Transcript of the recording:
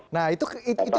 nah itu itu itu